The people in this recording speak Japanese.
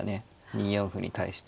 ２四歩に対して。